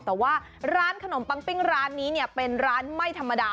แต่ว่าร้านขนมปังปิ้งร้านนี้เนี่ยเป็นร้านไม่ธรรมดา